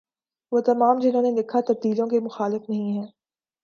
وہ تمام جنہوں نے لکھا تبدیلیوں کے مخالف نہیں ہیں